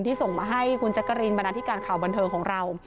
ส่งมาให้คุณแจ๊กกะรีนบรรณาธิการข่าวบันเทิงของเรา